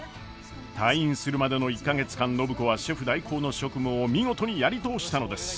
退院するまでの１か月間暢子はシェフ代行の職務を見事にやり通したのです。